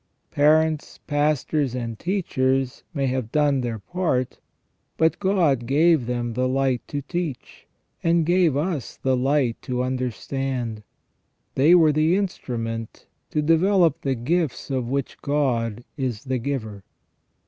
Parents, pastors, and teachers may have done their part, but God gave them the light to teach, and gave us the light to understand ; they were the instrument to develop the gifts of which God is the giver.